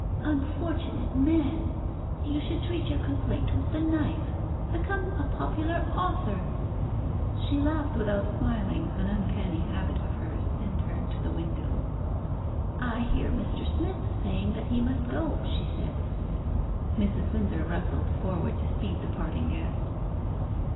"Unfortunate man! You should treat your complaint with the knife. Become a popular author." She laughed without smiling, an uncanny habit of hers, and turned to the window. "I hear Mr. Smith saying that he must go," she said. Mrs. Windsor rustled forward to speed the parting guest.